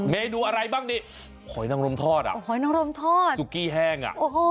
เมนูอะไรบ้างดิหอยน้ำลมทอดอ่ะสุกี้แห้งอ่ะ